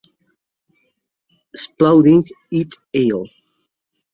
Spaulding "et al".